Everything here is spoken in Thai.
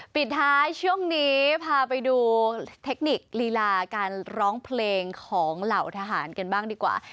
ปิดท้ายช่วงนี้พาไปดูเทคนิคลีลาการร้องเพลงของเหล่าทหารกันบ้างดีกว่า